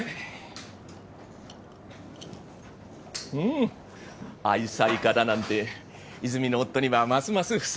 ん愛妻家だなんて泉の夫にはますますふさわしいよ。